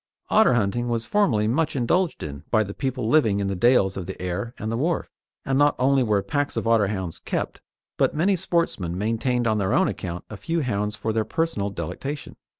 Otter hunting was formerly much indulged in by the people living in the dales of the Aire and the Wharfe, and not only were packs of Otterhounds kept, but many sportsmen maintained on their own account a few hounds for their personal delectation.